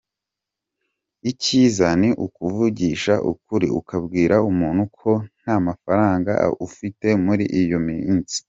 Icyiza ni ukuvugisha ukuri, ukabwira umuntu ko nta mafaranga ufite muri iyo minsi.